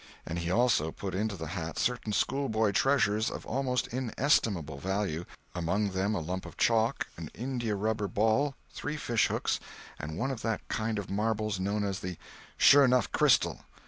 And he also put into the hat certain schoolboy treasures of almost inestimable value—among them a lump of chalk, an India rubber ball, three fishhooks, and one of that kind of marbles known as a "sure 'nough crystal."